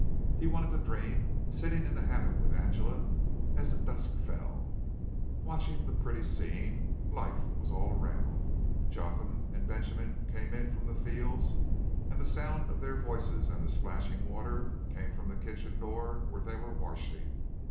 He wanted to dream sitting in the hammock with Angela as the dusk fell, watching the pretty scene. Life was all around. Jotham and Benjamin came in from the fields and the sound of their voices and of the splashing water came from the kitchen door where they were washing.